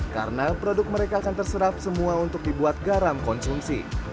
karena produk mereka akan terserap semua untuk dibuat garam konsumsi